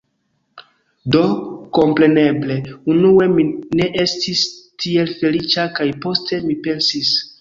Do, kompreneble, unue mi ne estis tiel feliĉa kaj poste mi pensis: